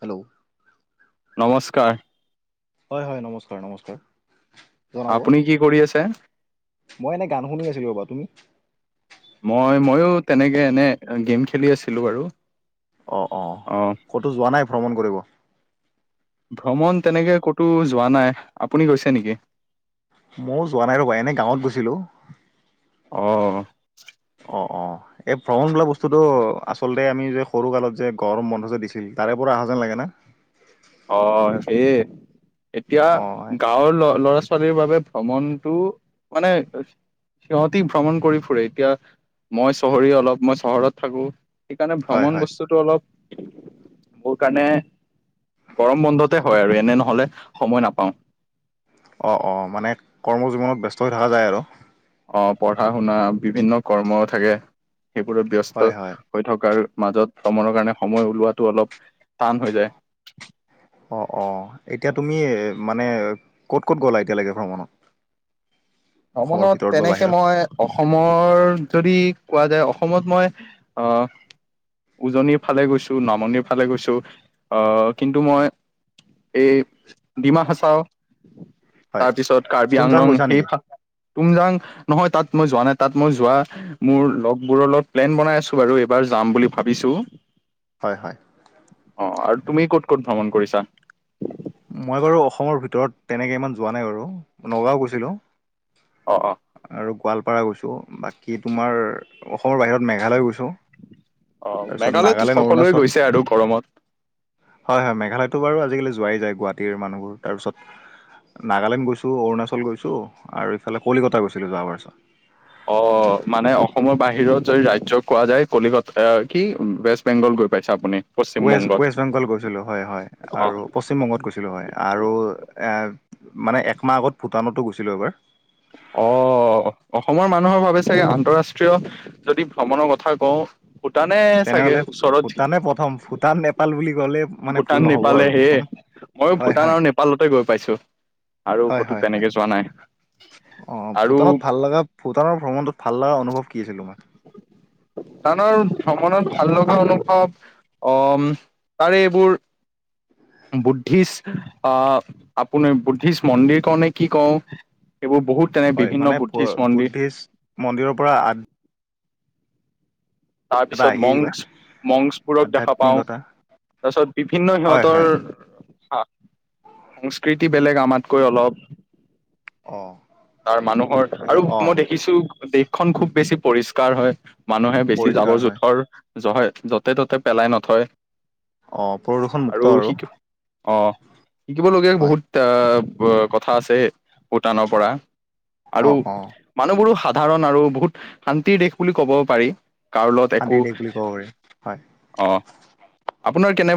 Hello নমস্কাৰ হয় হয় নমস্কাৰ নমস্কাৰ জনাব আপুনি কি কৰি আছে? মই এনেই গান শুনি আছিলো ৰবা তুমি মই ময়ো তেনেকে এনে গেম খেলি আছিলো বাৰু অ অ ক'তো যোৱা নাই ভ্ৰমণ কৰিব ভ্ৰমণ তেনেকে ক'তো যোৱা নাই আপুনি গৈছে নিকি মই ও যোৱা নাই ৰ'বা এনে গাঁৱত গৈছিলোঁ অহ অ অ এই ভ্ৰমণ বোলা বস্তুটো আচলতে আমি যে সৰু কালত যে গৰম বন্ধ যে দিছিল তাৰে পৰা অ হা যেন লাগে ন অ সেই এতিয়া অঁ গাঁৱৰ ল ল'ৰা ছোৱাল ছোৱালীৰ বাবে ভ্ৰমণটো মানে সিহঁতি ভ্ৰমণ কৰি ফুৰে এতিয়া মই চহৰীয়া অলপ মই চহৰত থাকো সেইকাণে হয় ভ্ৰমণ হয় বস্তুটো অলপ মোৰ কাৰণে গৰম বন্ধতে হয় আৰু এনে নহলে সময় নাপাওঁ অ অ মানে কৰ্ম জীৱনত ব্যস্ত হৈ থকা যায় আৰু অ পঢ়া শুনা বিভিন্ন কৰ্ম থাকে সেইবোৰত ব্যস্ত হয় হয় হৈ থকাৰ মাজত ভ্ৰমণৰ কাৰণে সময় ওলোৱাটো অলপ টান হৈ যায় অ অ এতিয়া তুমি মানে ক'ত ক'ত গ'লা এতিয়ালেকে ভ্ৰমণত অসমৰ ভ্ৰমনত ভিতৰত বা তেনেকে বাহিৰত মই অসমৰ যদি কোৱা যায় অসমত মই আহ উজনিৰ ফালে গৈছো নামনিৰ ফালে গৈছো আহ কিন্তু হয় মই এই ডিমা হাচাও হয় তাৰ পিছত কাৰ্বি তুমজাং আংলং গৈছা নেকি সেইফা তুমযাং নহয় তাত মই যোৱা নাই তাত মই যোৱা মোৰ লগৰবোৰৰ লগত প্লেন বনাই আছোঁ বাৰু। এইবাৰ যাম বুলি ভাবিছোঁ। হয় হয় অ আৰু তুমি ক'ত ক'ত ভ্ৰমণ কৰিছা। মই বাৰু অসমৰ ভিতৰত তেনেকে ইমান যোৱা নাই বাৰু নগাঁও গৈছিলোঁ। অ অ আৰু গোৱাল। পাৰা গৈছোঁ বাকী তোমাৰ অসমৰ বাহিৰত মেঘালয় গৈছোঁ। অ তাৰপিছত মেঘালয়তো নাগালেণ্ড সকলোৱে অৰুণাচল গৈছে আৰু গৰমত হয় হয় মেঘালয়। টো বাৰু আজিকালি যোৱাই যায় গুৱাহাটীৰ মানুহবোৰ তাৰপিছত। নাগালেণ্ড গৈছোঁ অৰুণাচল গৈছোঁ আৰু ইফালে কলিকতা গৈছিলোঁ যোৱা মাৰ্চত। অ মানে অসমৰ বাহিৰত যদি ৰাজ্য কোৱা যায় কলিকতা কি ৱেষ্ট বেংগল। গৈ পাইছে আপুনি। পশ্চিম ৱেষ্ট বংগত ৱেষ্ট বেংগল গৈছিলোঁ হয় হয় আৰু পশ্চিমবংগত গৈছিলোঁ হয় আৰু। মানে এক মাহ আগত ভূটানতো গৈছিলো এবাৰ। অহ অসমৰ মানুহৰ ভাবে চাগে আন্তৰাষ্ট্ৰীয় যদি ভ্ৰমণৰ কথা কওঁ। ভূটানে চাগে তেনেহ'লে ওচৰত। ভূটানে প্ৰথম ভূটান নেপাল বুলি ক'লে মানে ভুল ভূটান নহ'ব নেপালে আৰু হে প্ৰথম মইও হয় ভূটান হয় আৰু নেপালতে গৈ পাইছোঁ। হয় হয় হয় অ আৰু ভূটানত ভাল লগা ভূটানৰ ভ্ৰমণটোত ভাল লগা। অনুভৱ কি আছিল তোমাৰ। ভূটানৰ ভ্ৰমণত ভাল লগা অনুভৱ অহ। তাৰে এইবোৰ। বুদ্ধিষ্ট আহ আপুনি বুদ্ধিষ্ট মন্দিৰ কওঁনে কি কওঁ। এইবোৰ বহুত তেনে হয় বিভিন্ন মানে বুদ্ধিষ্ট মন্দিৰ। [inaudible] বুদ্ধিষ্ট মন্দিৰৰ পৰা এটা তাৰপিছত আহি মংস মংসবোৰক দেখা পাওঁ। আধ্যাত্মিকতা তাৰপিছত বিভিন্ন হয় সিহঁতৰ। হয় হ সংস্কৃতি বেলেগ আমাতকৈ অলপ। অ তাৰ মানুহৰ আৰু মই দেখিছোঁ দেশ। খন খুব বেছি পৰিষ্কাৰ হয় মানুহে বেছি পৰিষ্কাৰ হয় জাবৰ-জোথৰ। জহয় যতে ত'তে পেলাই নথয়। অঁ প্ৰদূষণমুক্ত আৰু। অ শিকিবলগীয়া হয় বহুত আহ কথা আছে। ভূটানৰ পৰা অ আৰু অ মানুহবোৰো সা। ধাৰণ আৰু বহুত শান্তিৰ দেশ বুলি ক'ব পাৰি। কাৰোঁ লগত একো শান্তিৰ দেশ বুলি ক'ব পাৰি হয় অ। আপোনাৰ কেনে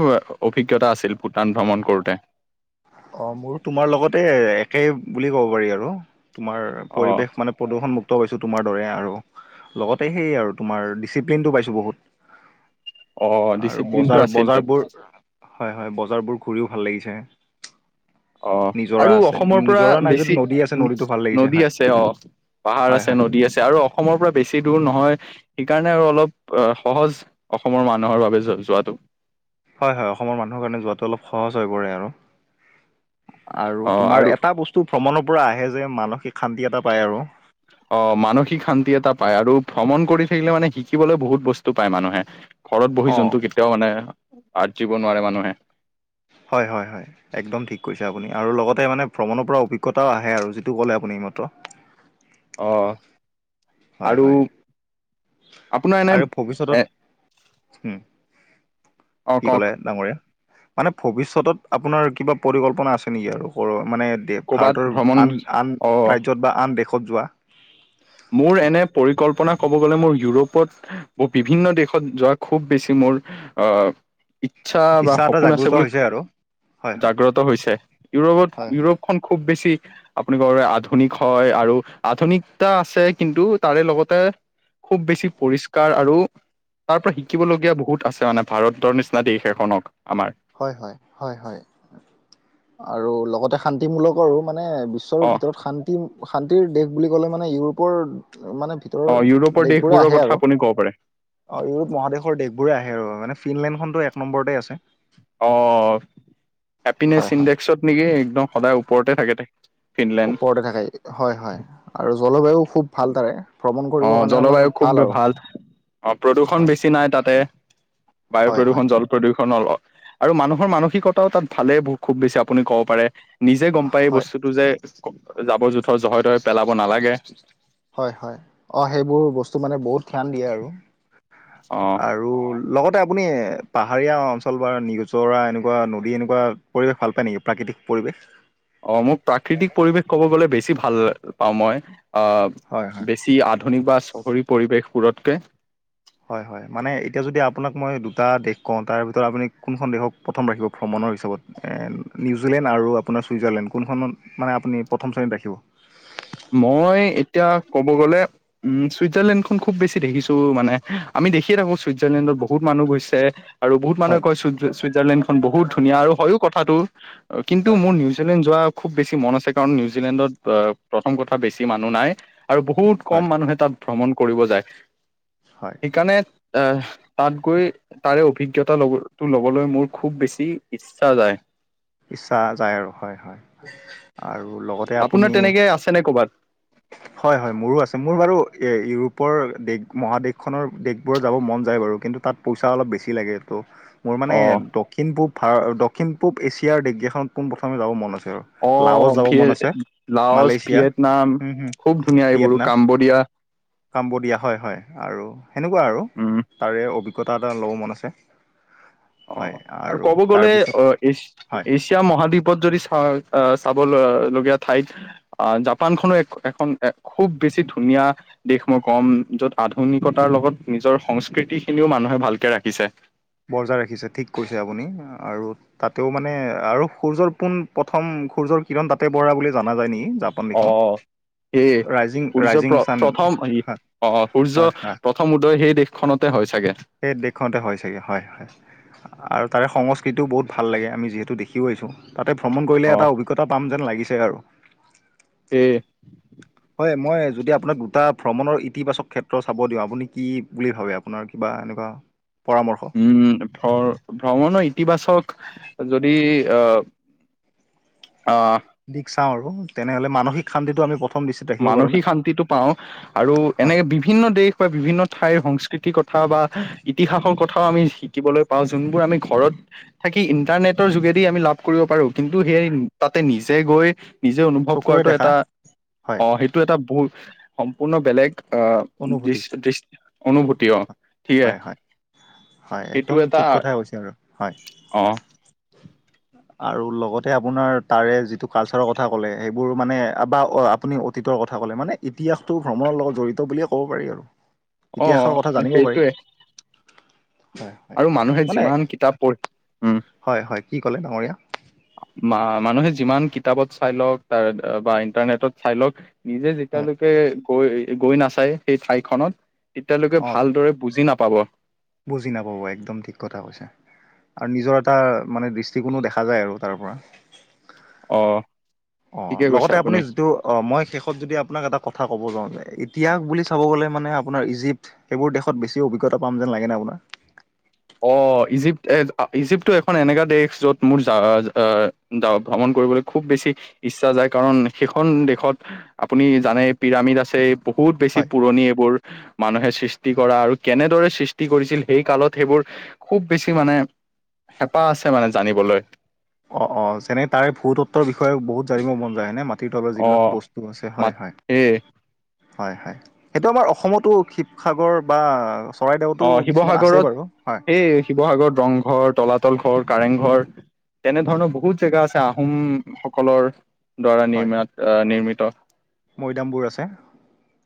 অভিজ্ঞতা আছিল ভূটান ভ্ৰমণ কৰোঁতে। অ মোৰ তোমাৰ লগতে একেই বুলি ক'ব পাৰি আৰু। তোমাৰ অ পৰিৱেশ মানে প্ৰদূষণমুক্ত পাইছোঁ তোমাৰ দৰে আৰু। লগতে সেই আৰু তোমাৰ ডিচিপ্লিনটো পাইছোঁ অ বহুত। আৰু ডিচিপ্লিনটো বজাৰ আছিল তাত বজাৰবোৰ হয় হয় বজাৰ বোৰ ঘূৰিও ভাল লাগিছে। অ নিজৰা আৰু আছে অসমৰ পৰা নিজৰা নাই যদি বেছি নদী আছে নদীটো ভাল লাগিছে নদী হয় আছে অ। পাহাৰ হয় আছে হয় নদী আছে আৰু অসমৰ পৰা বেছি দূৰ নহয় সেইকাৰণে। নে আৰু অলপ সহজ অসমৰ মানুহৰ বাবে যোৱাটো। হয় হয় অসমৰ মানুহৰ কাৰণে যোৱাটো অলপ সহজ হৈ পৰে আৰু। আৰু তোমাৰ এটা বস্তু ভ্ৰমণৰ পৰা আহে যে মানসিক শান্তি এটা পায় আৰু। অ মানসিক শান্তি এটা পায় আৰু ভ্ৰমণ কৰি থাকিলে মানে শিকিবলৈ বহুত বস্তু পায় মানুহে। ঘৰত বহি অঁ জন্তু কেতিয়াও মানে আৰ্জিব নোৱাৰে মানুহে। হয় হয় হয় একদম ঠিক কৈছে আপুনি আৰু লগতে মানে ভ্ৰমণৰ পৰা অভিজ্ঞতাও আহে আৰু যিটো ক'লে আ। আপুনি এইমাত্ৰ। অহ হয় আৰু। হয় আপোনাৰ এনে আৰু এ। ভৱিষ্যতত উম অ কি কওক ক'লে ডাঙৰীয়া। মানে ভৱিষ্যতত আপোনাৰ কিবা পৰিকল্পনা আছে নেকি আৰু মানে ক'বাত ভাৰতৰ ভ্ৰমণ আন আন অ ৰাজ্যত বা আন দেশত যোৱা মোৰ প বিভিন্ন দেশত যোৱা খুব বেছি মোৰ আহ ইচ্ছা বা এটা সপোন আছে জাগ্ৰত বুলি ক হৈছে আৰু হয় হয় জাগ্ৰত হৈছে ইউৰোপত হয় হয় ইউৰোপ খ খুব বেছি বেছি আপুনি ক আধুনিক হয় আৰু আধুনিক টা আছে কিন্তু তাৰে লগতে খুব বেছি পৰিষ্কাৰ আৰু তাৰ পৰা শিকিবলগীয়া বহুত আছে মানে ভাৰতৰ নিচিনা দেশ এখনক আমাৰ হয় হয় হয় হয় আৰু লগতে শান্তিমূলকৰো মানে বিশ্বৰ অ ভিতৰত শান্তি শান্তিৰ দেশ বুলি ক'লে মানে ইউৰোপৰ মানে ভিতৰ অ ইউৰোপৰ দেশবোৰে দেশবোৰৰ আহে কথা আৰু আপুনি ক'ব পাৰে অ ইউৰোপ মহাদেশৰ দেশবোৰে আহে আৰু মানে ফিনলেণ্ডখনতো এক নম্বৰতে আছে অ হেপিনেছ হয় হয় ইণ্ডেক্সত নেকি একদম সদায় ওপৰতে থাকোক ওপৰতে থাকে হয় হয় আৰু জলবায়ু খুব ভাল তাৰে ভ্ৰমণ অ কৰিবৰ কাৰণে মানে জলবায়ু খুব আৰু ভাল অ প্ৰদূষণ হয় বেছি নাই তাতে বায়ু হয় হয় প্ৰদূষণ জল প্ৰদূষণ আৰু মানুহৰ মানসিকতাও তাত ভালে খুব বেছি আপুনি ক'ব পাৰে নিজে গম পায় এই হয় বস্তুটো যে জাবৰ জোথৰ জহে তহ পেলাব নালাগে হয় হয় অঁ সেইবোৰ বস্তু মানে বহুত ধ্যান দিয়ে আৰু অ আৰু লগতে আপুনি পাহাৰীয়া অঞ্চল বা নিজৰা এনেকুৱা নদী এনেকুৱা পৰিৱেশ ভাল পায় নেকি প্ৰাকৃতি পৰিৱেশ অ মোক প্ৰাকৃতিক পৰিৱেশ কব গলে বেছি ভাল পাওঁ মই আহ হয় হয়। বেছি আধুনিক বা চহৰী পৰিৱেশবোৰতকৈ হয় হয় মানে এতিয়া যদি আপোনাক মই দুটা দেশ কওঁ তাৰ ভিতৰত আপুনি কোনখন দেশক প্ৰথম ৰাখিব ভ্ৰমণ নিউজিলেণ্ড আৰু আপোনাৰ চুইজাৰলেণ্ড কোনখন মানে আপুনি প্ৰথম শ্ৰেণীত ৰাখিব মই এতিয়া ক'ব গ'লে উম চুইজাৰলেণ্ডখন খুব বেছি দেখিছো মানে আ আমি দেখি থাকো চ ছইজাৰলেণ্ড বহুতানুহ গৈছে আৰু বহুত মানুহে হয় কয় চুই চুইজাৰলেণ্ডখন বহুত ধুনীয়া আৰু হয়ো কথাাতটো কিন্তু হয় মোৰ হয় নিউজিলেণ্ড যোৱা খুব বেছি মন আছে কাৰণ নিউজিলেণ্ডত প্ৰথম কথা বেছি মানুহ নাই আৰু বহুত হয় কম মানুহে তাত ভ্ৰমণ কৰিব যায় হয় সেইকাৰণে এ তাত গৈ তাৰে অভিজ্ঞতা লবো লবলৈ মোৰ খুব বেছি ইচ্ছা যায় ইচ্ছা যায় আৰু হয় হয় আৰু লগতে আপোনাৰ আপুনি তেনেকে আছেনে ক'বাত হয় হয় মোৰো আছে মোৰ বাৰু এ ইউৰোপৰ দেশ মহাদেশখনৰ দেশবোৰ যাব মন যায় বাৰু কিন্তু তাত পইচা অলপ বেছি লাগে ত মোৰ মানে অ দক্ষিণ পূব ভাৰ দক্ষিণ পূব এছিয়াৰ ডগগখনত পোন প্ৰথমে যাব মন আছে আৰু অ লাওচ যাব ভিয়ে মন আছে লাউচ মালয়েছিয়া ভিয়েটনাম খুব ধুনীয়া এইবোৰ কাম্বদিয়া কম্বোডিয়া হয় হয় আৰু সেনেকুৱা আৰু উম তাৰে অভিজ্ঞতা এটা ল'ব মন আছে অ হয় আৰু ক'ব গ'লে অ তাৰপিছত এ হয় এছিয়া মহাদ্বীপত যদি চাই চাব লগীয়া ঠাইত আহ জাপানখনো এখন খুব বেছি ধুনীয়া নীয়া দেশ মই কম যত আধুনিকতাৰ লগত নিজৰ সংস্কৃতি খিনিও মানুহে ভালকে ৰাখিছে বজাই ৰাখিছে ঠিক কৈছে আপুনি আৰু তাতেও মানে আৰু সূৰ্যৰ পোন প্ৰথম সূৰ্যৰ কিৰণ দাঁতে বৰা বুলি জনা যায় নেকি জাপন দেশখনত সেয় ৰাইজিং সূৰ্য ৰাইজিং প্ৰ চান প্ৰথম হয় অ সূৰ্য হয় হয় প্ৰথম উদয় সেই দেশ খনতে হয় চাগে সেই দেশখনতে হয় চাগে হয় হয় আৰু তাৰে সংস্কৃতিও বহুত ভাল লাগে আমি যিহেতু দেখিও আহিছোঁ তাতে ভ্ৰমণ কৰিলে অ এটা অভিজ্ঞতা পাম যেন লাগিছে আৰু। কি? হয় মই যদি আপোনাক দুটা ভ্ৰমণৰ ইতিবাচক ক্ষেত্ৰ চাব দিওঁ, আপুনি কি বুলি ভাবে আপোনাৰ কিবা এনেকুৱা। পৰামৰ্শ উম ভ-ভ্ৰমণৰ ইতিবাচক যদি অহ, অহ। দিশ চাওঁ আৰু। তেনেহলে মানসিক শান্তিটো আমি প্ৰথম দৃষ্টিত ৰাখিব পাৰোঁনে মানসিক শান্তিটো পাওঁ। আৰু, আৰু হয় এনেক বিভিন্ন দেশ বা বিভিন্ন ঠাইৰ সংস্কৃতিকত থা বা ইতিহাসৰ কথাও আমি শিকিবলৈ পাওঁ। যোনবোৰ আমি ঘৰত থাকি ইন্টাৰনেটৰ যোগে যদি আমি লাভ কৰিব পাৰো। কিন্তু সেই তাতে নিজে গৈ নিজে অনুভৱ চকুৰে কৰাটো দেখা এটা হয় অহ, সেইটো এটা বহু সম্পূৰ্ণ বেলেগ অহ' অনুভূতি দিচ, দিচ অনুভূতি অহ। হয়, হয়। হয়, সেইটো একদম এটা ঠিক কথাই কৈছে আৰু হয়। অ আৰু লগতে আপোনাৰ তাৰে যিটো কালচাৰৰ কথা ক'লে, সেইবোৰ মানে বা আপুনি অতীত কথা কলে মানে ইতিহাসটো ভ্ৰমণৰ লগত জড়িত বুলিয়ে ক'ব পাৰি আৰু। অ ইতিহাসৰ কথা জানিব পাৰি। সেইটোৱে হয় হয় আৰু মানুহে মানে যিমান কিতাপ পঢ়ি, উম। হয়, হয়। কি ক'লে ডাঙৰীয়া? মানুহে যিমান কিতাপত চাই লওঁক বা ইণ্টাৰনেটত চাই লওঁক। নিজে হয় যেতিয়ালৈকে গৈ, গৈ নাচায় সেই ঠাই খনত, তেতিয়ালৈকে অ ভালদৰে বুজি না পাব। বুজি নাপাব, একদম ঠিক কথা কৈছে। আৰু নিজৰ এটা, মানে দৃষ্টিকোণো দেখা যায় আৰু তাৰপৰা। অহ'। অহ' লগতে আপুনি যিটো অহ, মই শেষত যদি আপোনাক এটা কথা ক'ব যাওঁ যে ইতিহাস বুলি চাব গ'লে মানে আপোনাৰ ইজিপ্তট, সেইবোৰ দেশত বেছি অভিজ্ঞতা পাম যেন লাগে নে আপোনাৰ। [inaudible] অহ' ইজিপ্ত-ইজিপ্তটো এখন এনেকা দেশ য'ত মোৰ যা ভ্ৰমণ কৰিবলৈ খুব বেছি ইচ্ছা যায় কাৰণ, সেইখন দেশত আপুনি জানে পিৰামিড আছে বহুত বেছি হয়। পুৰণি এইবোৰ, মানুহে সৃষ্টি কৰা আৰু, কেনেদৰে সৃষ্টি কৰিছিল সেই কালত সেইবোৰ খুব বেছি মানে, হেপাহ আছে মানে জানিবলৈ। অহ', অহ' যেনে তাৰে ভূতত্বৰ বিষয়ে বহুত জানিব মন যায় নে মা মাটিৰ তলৰ অ যিবিলাক বস্তু আছে। হয়, মাত হয়। এই হয়, হয়। সেইটো আমাৰ অসমতো শিৱসাগৰ বা চৰাইদেউতো অহ' কিছুমান আছে শিৱসাগৰত বাৰু হয়। সেই শিৱসাগৰত ৰংঘৰ তলাত তল ঘৰ, কাৰেংঘৰ, হয়। তেনেধৰণৰ বহুত জেগা আছে আহোম সকলৰ। দ্বাৰা হয়, নিৰ্মাত, অহ, নিৰ্মিত। মৈদামবোৰ আছে।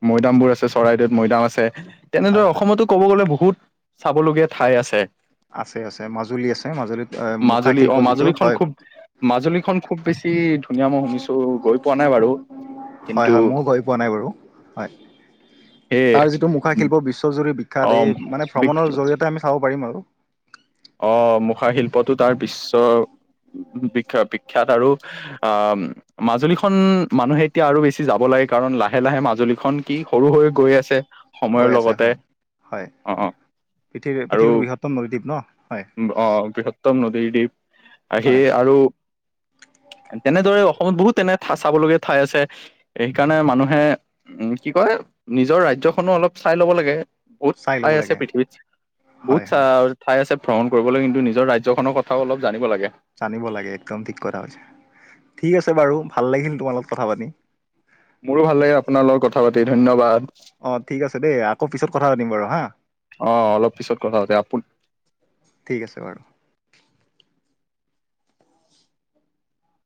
মৈদামবোৰ আছে চৰাইদেউ। মৈদাম আছে, তেনেদৰে হয়, হয়। অসমতো ক'ব গ'লে বহুত চাবলগীয়া ঠাই আছে। আছে, আছে মাজুলী আছে মাজুলীত মুখা মাজুলী শিল্প অহ, যিটো মাজুলীখন হয়, খুব। মাজুলীখন খুব বেছি ধুনীয়া মই শুনিছো গৈ পোৱা নাই বাৰু [unintelligible] হয়, কিন্তু হয়। ময়ো গৈ পোৱা নাই বাৰু হয়। সেই তাৰ যিটো মুখা শিল্প বিশ্বজুৰি শিক্ষাত এই মানে অ ভ্ৰমণৰ জৰিয়তে আমি চাব পাৰিম আৰু। অহ' মুখা শিল্পতো তাৰ বিশ্ব বিখ্যাত, বিখ্যাত আৰু অহ, মাজুলীখন, মানুহে এতিয়া আৰু বেছি যাব লাগে কাৰণ লাহে লাহে মাজুলীখন কি সৰু হৈ গৈয আছে। সময়ৰ গৈ আছে লগতে হয়, হয়। অ', অ' পৃথিৱী, পৃথিৱীৰ বৃহত্তম নলীদ্বীপ ন। হয় অহ' বৃহত্তম নদীৰ দ্বীপ। হয় সেই হয় আৰু তেনেদৰে অসমত বহুত তেনে ঠা চাবলগীয়া ঠাই আছে। সেইকাৰণে মানুহে উম, কি কয় নিজৰ ৰাজ্য। ৰাজ্যখনো অলপ চাই ল'ব লাগে। বহুত চাই ল'ব ঠাই আছে লাগে পৃথৱীত বহুত হয় চা হয় ঠাই আছে। ভ্ৰমণ কৰিবলৈ, কিন্তু নিজৰ ৰাজ্যখনৰ কথাওঁ অলপ জানিব লাগে। জানিব লাগে একদম ঠিক কথা কৈছা ঠিক আছে বাৰু ভাল লাগিল তোমাৰ লগত কথা পাতি মোৰো ভাল লাগে আপোনাৰ লগত কথা পাতি ধন্যবাদ অঁ ঠিক আছে দেই আকৌ পিছত কথা পাতিম বাৰু হা অ অলপ পিছত কথা পাতু আপোন ঠিক আছে বাৰু